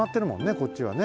こっちはね。